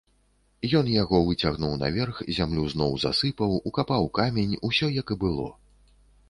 Ён яго выцягнуў наверх, зямлю зноў засыпаў, укапаў камень, усё, як і было.